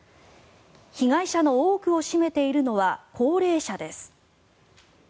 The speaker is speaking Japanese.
被害者の多くを占めているのは高齢者です。